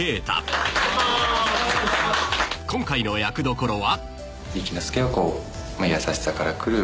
［今回の役どころは］